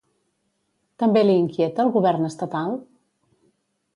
També li inquieta el govern estatal?